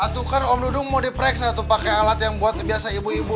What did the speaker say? aduh kan om dudung mau di pereks atau pake alat yang buat biasa ibu ibu